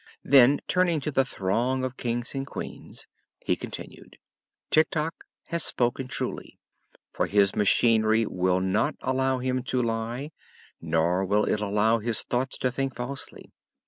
Then, turning to the throng of Kings and Queens, he continued: "Tik Tok has spoken truly, for his machinery will not allow him to lie, nor will it allow his thoughts to think falsely.